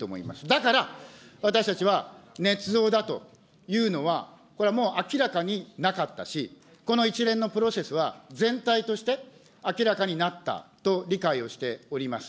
だから私たちはねつ造だというのは、これはもう明らかになかったし、この一連のプロセスは、全体として明らかになったと理解をしております。